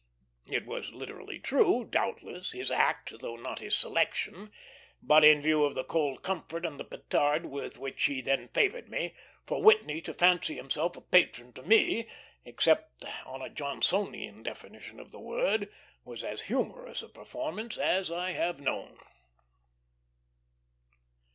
It was literally true, doubtless; his act, though not his selection; but in view of the cold comfort and the petard with which he there favored me, for Whitney to fancy himself a patron to me, except on a Johnsonian definition of the word, was as humorous a performance as I have known.